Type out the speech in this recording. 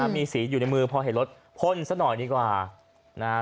มีสีอยู่ในมือพอเห็นรถพ่นซะหน่อยดีกว่านะฮะ